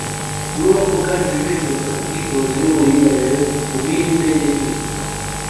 nibo bapfu kandi bibeshya bafata ubwitonzi nuburinganire kubwintege nke